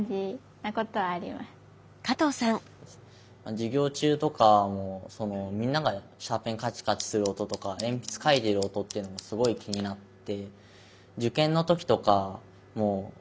授業中とかもみんながシャーペンカチカチする音とか鉛筆書いてる音っていうのがすごい気になって。